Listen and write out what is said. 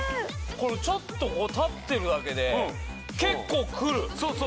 これちょっとここ立ってるだけで結構くるそうそう